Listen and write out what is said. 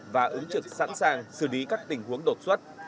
và ứng trực sẵn sàng xử lý các tình huống đột xuất